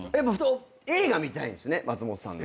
映画見たいんですね松本さんの。